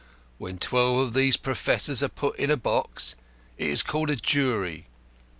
When twelve of these professors are put in a box, it is called a jury.